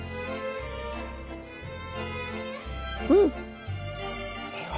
うん！